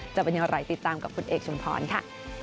จะเป็นอย่างไรติดตามกับคุณเอกชุมพรค่ะ